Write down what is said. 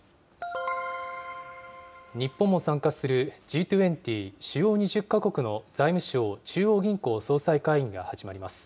日本も参加する、Ｇ２０・主要２０か国の財務相・中央銀行総裁会議が始まります。